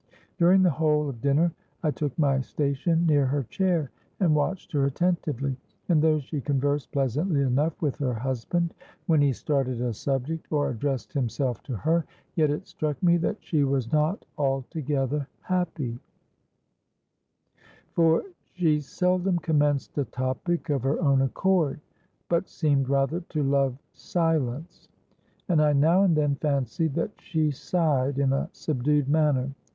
During the whole of dinner, I took my station near her chair, and watched her attentively; and though she conversed pleasantly enough with her husband when he started a subject, or addressed himself to her, yet it struck me that she was not altogether happy—for she seldom commenced a topic of her own accord, but seemed rather to love silence; and I now and then fancied that she sighed in a subdued manner.